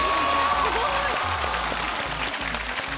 ・すごい！